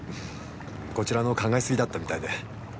こちらの考えすぎだったみたいで。